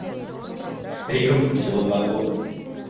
Ребенку всего два года.